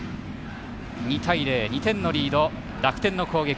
２対０、２点のリード楽天の攻撃。